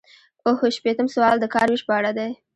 اووه شپیتم سوال د کار ویش په اړه دی.